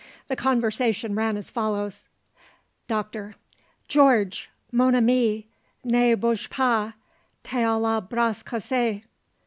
The conversation ran as follows: Doctor: "Georges, mon ami; ne bouge pas, tu a le bras cassé."